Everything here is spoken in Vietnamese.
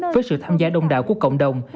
với sự tham gia đông đạo của cộng đồng